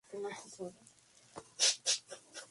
Es una amiga que tiene su pequeña historia.